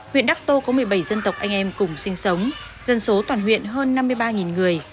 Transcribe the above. huyện đắc tô có một mươi bảy dân tộc anh em cùng sinh sống dân số toàn huyện hơn năm mươi ba người